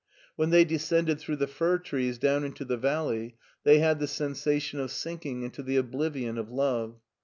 When they descended through the fir trees down into the vdley they had the sensation of sinking into the oblivion of love.